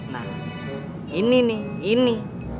nah ini nih ini